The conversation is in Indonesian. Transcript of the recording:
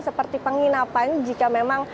seperti penginapan jika memang